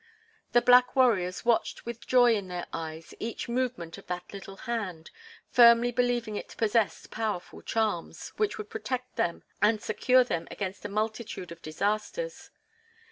The black warriors watched with joy in their eyes each movement of that little hand, firmly believing it possessed powerful "charms," which would protect them and secure them against a multitude of disasters.